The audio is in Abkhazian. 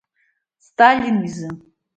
Сталин изы!